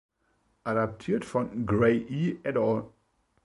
„Adaptiert von Gray E et al.“